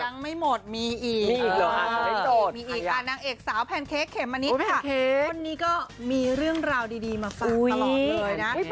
ยังไม่หมดมีอีกมีอีกนางเอกสาวแพนเค้กเขมมะนิดค่ะคนนี้ก็มีเรื่องราวดีมาฝากตลอดเลยนะ